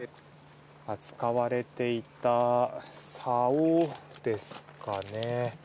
扱われていたさおですかね。